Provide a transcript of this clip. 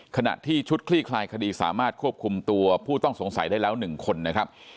ขณะที่ชุดคลี่คลายคดีสามารถควบคุมตัวผู้ต้องสงสัยได้แล้ว๑คนนะครับ